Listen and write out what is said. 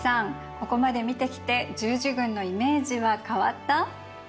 ここまで見てきて十字軍のイメージは変わった？